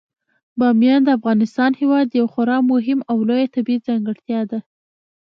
بامیان د افغانستان هیواد یوه خورا مهمه او لویه طبیعي ځانګړتیا ده.